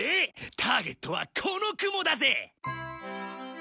ターゲットはこの雲だぜ！